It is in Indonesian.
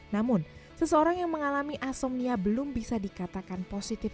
namun seseorang yang mengalami asomnia belum bisa dikatakan positif